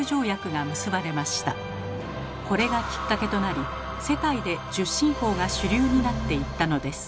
これがきっかけとなり世界で１０進法が主流になっていったのです。